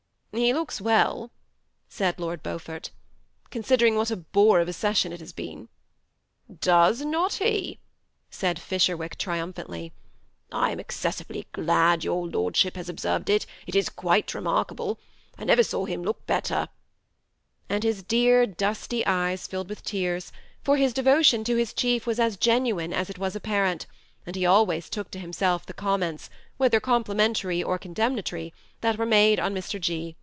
^ He looks well," said Lord Beaufort, " considering what a bore of a session it has been," ^^ Does not he ?" said Fisherwick, triumphantly. ^' I am excessively glad your lordship has observed it ; it is quite remarkable. I never saw him look better ;" and his dear dusty eyes filled with tears, for his devotion to his chief was as genuine as it was apparent, and he always took to himself the comments, whether compli mentary pr condemnatory, that were made on Mr. G.